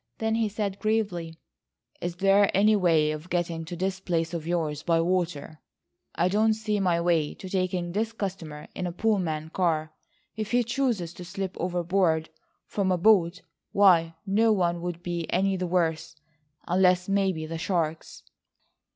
Then he said gravely: "Is there any way of getting to this place of yours by water? I don't see my way to taking this customer in a Pullman car. If he chooses to slip overboard from a boat, why no one would be any the worse, unless maybe the sharks."